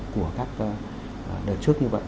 của các đợt trước như vậy